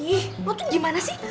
ih lo tuh gimana sih